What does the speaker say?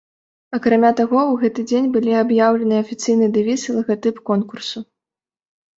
Акрамя таго ў гэты дзень былі аб'яўлены афіцыйныя дэвіз і лагатып конкурсу.